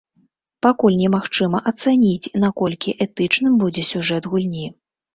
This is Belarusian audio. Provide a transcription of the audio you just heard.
Пакуль немагчыма ацаніць, наколькі этычным будзе сюжэт гульні.